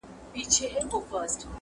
سل مي ښځي له مېړونو جلا كړي -